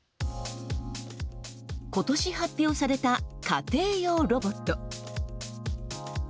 今年発表された家庭用ロボット。